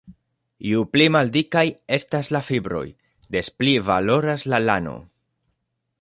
Ju pli maldikaj estas la fibroj, des pli valoras la lano.